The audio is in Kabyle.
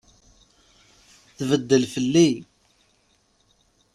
Tbeddel fell-i.